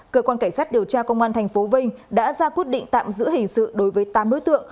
cơ quan cảnh sát điều tra công an tp vinh đã ra quyết định tạm giữ hình sự đối với tám đối tượng